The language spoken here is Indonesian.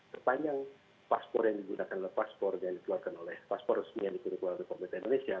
sepanjang paspor yang digunakan oleh paspor yang dikeluarkan oleh paspor resmi yang dikeluarkan oleh pemerintah indonesia